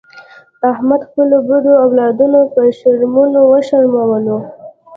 احمد خپلو بدو اولادونو په شرمونو و شرمولو.